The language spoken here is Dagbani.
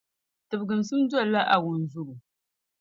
Tibiginsim dolila a wunzobo.